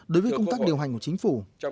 đối với công tác điều hành của chính phủ